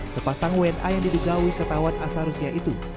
sepasang wna yang diduga wisatawan asal rusia itu